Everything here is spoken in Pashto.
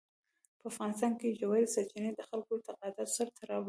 په افغانستان کې ژورې سرچینې د خلکو د اعتقاداتو سره تړاو لري.